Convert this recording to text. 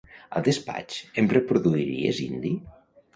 Al despatx em reproduiries indie?